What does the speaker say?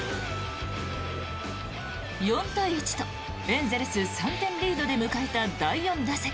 ４対１とエンゼルス３点リードで迎えた第４打席。